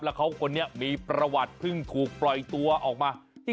แล้วเขาคนนี้มีประวัติเพิ่งถูกปล่อยตัวออกมา